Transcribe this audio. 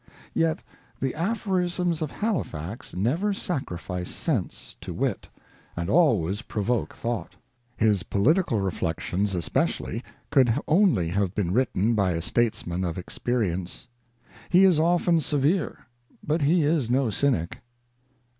Yet the aphorisms of Halifax never sacrifice sense to wit, and always provoke thought. His political reflections, especially, could only have been written by a statesman of experience. He is often severe, but he is no cynic.